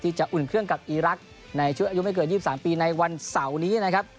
จะอุ่นเครื่องกับอีรักษ์ในชุดอายุไม่เกิน๒๓ปีในวันเสาร์นี้นะครับ